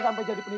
siapa tuh wigai